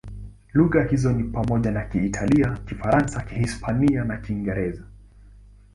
Lugha hizo ni pamoja na Kiitalia, Kifaransa, Kihispania na Kiingereza.